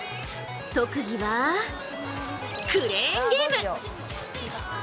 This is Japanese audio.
特技はクレーンゲーム。